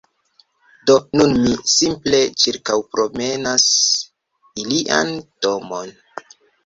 Do nun ni simple ĉirkaŭpromenas ilian domon.